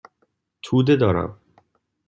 توده دارم.